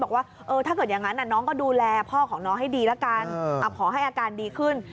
บอกว่าถ้าเกิดอย่างนั้นน้องก็ดูแลพ่อของน้องให้ดีละกันขอให้อาการดีขึ้น